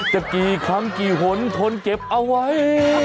กี่ครั้งกี่หนทนเก็บเอาไว้